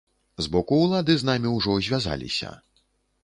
З боку ўлады з намі ўжо звязаліся.